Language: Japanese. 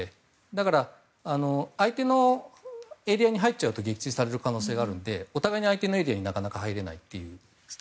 だから相手のエリアに入っちゃうと撃墜されちゃう可能性があるのでお互いに相手のエリアになかなか入れないという形です。